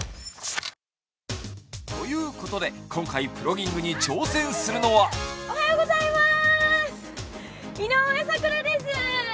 ということで、今回プロギングに挑戦するのはおはようございます。